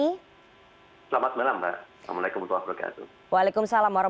selamat malam pak waalaikumsalam wr wb